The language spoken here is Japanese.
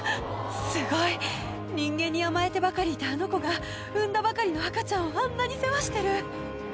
すごい！人間に甘えてばかりいたあの子が産んだばかりの赤ちゃんをあんなに世話してる。